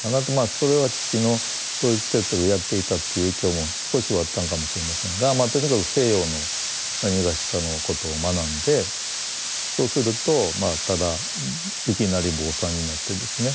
それは父のドイツ哲学をやっていたっていう影響も少しはあったんかもしれませんがとにかく西洋のなにがしかのことを学んでそうするとただいきなり坊さんになってですね